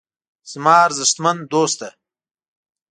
زما ارزښتمن دوسته.